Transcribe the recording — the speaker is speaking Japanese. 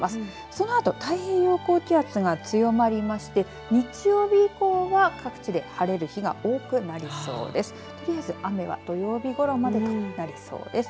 そのあと太平洋高気圧が強まりまして日曜日以降は各地で晴れる日が多くなりそうです。